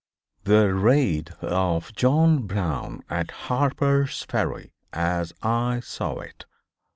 THE RAID OF JOHN BROWN AT HARPER'S FERRY AS I SAW IT.